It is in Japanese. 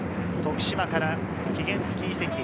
徳島から期限付き移籍。